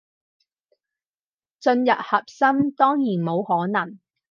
進入核心，當然冇可能